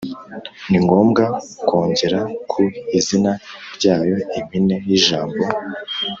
ni ngombwa kongera ku izina ryayo impine y ijambo